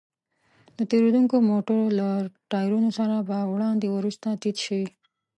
د تېرېدونکو موټرو له ټايرونو سره به وړاندې وروسته تيت شوې.